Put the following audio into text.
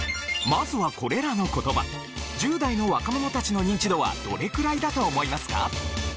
まずはこれらの言葉１０代の若者たちのニンチドはどれくらいだと思いますか？